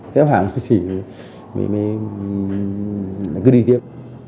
thế hoảng thì mình mới cứ đi tiếp